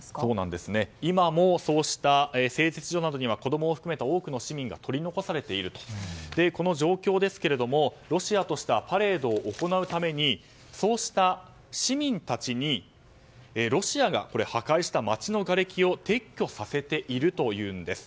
今もそうした製鉄所などには子供を含めた多くの市民が取り残されているというこの状況ですけれどもロシアとしてはパレードを行うためにそうした市民たちにロシアが破壊した街のがれきを撤去させているというんです。